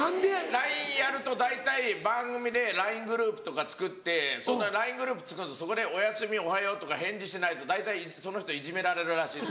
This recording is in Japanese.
ＬＩＮＥやると大体番組でＬＩＮＥグループとか作ってＬＩＮＥグループ作るとそこでおやすみおはようとか返事しないと大体その人いじめられるらしいんで。